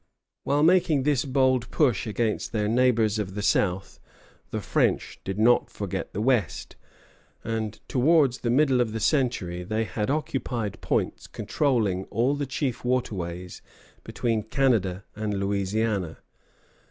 ] While making this bold push against their neighbors of the South, the French did not forget the West; and towards the middle of the century they had occupied points controlling all the chief waterways between Canada and Louisiana.